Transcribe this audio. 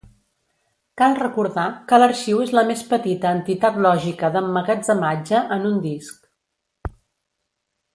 Cal recordar que l'arxiu és la més petita entitat lògica d'emmagatzematge en un disc.